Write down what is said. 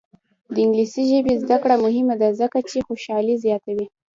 د انګلیسي ژبې زده کړه مهمه ده ځکه چې خوشحالي زیاتوي.